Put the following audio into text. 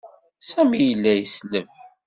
Sami yella yesleb.